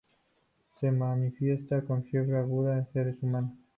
Se manifiesta con fiebre aguda en seres humanos.